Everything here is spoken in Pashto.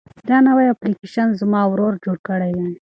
دا نوی اپلیکیشن زما ورور جوړ کړی دی.